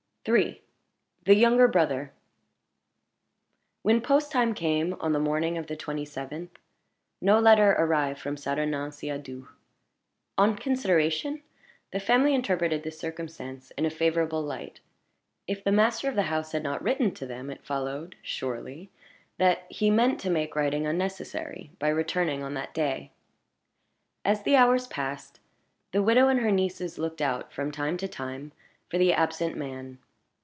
III. THE YOUNGER BROTHER When post time came on the morning of the twenty seventh, no letter arrived from Saturnin Siadoux. On consideration, the family interpreted this circumstance in a favorable light. If the master of the house had not written to them, it followed, surely, that he meant to make writing unnecessary by returning on that day. As the hours passed, the widow and her nieces looked out, from time to time, for the absent man.